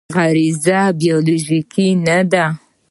غریزه بیولوژیکي نه دی.